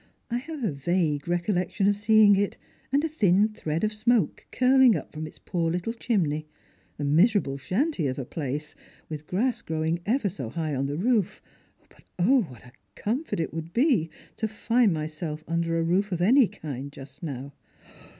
I have a vague recollection of seeing it, and a thin thread of smoke curling up from its poor little chimney, a miserable shanty of a place, with grass growing ever so high on the roof; but O, what a comfort it would be to find myself under a roof of any kind just now